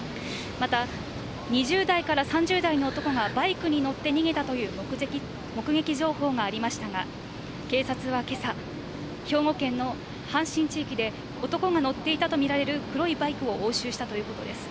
また２０代から３０代の男がバイクに乗って逃げたという目撃情報がありましたが、警察は今朝、兵庫県の阪神地域で男が乗っていたとみられる黒いバイクを押収したということです。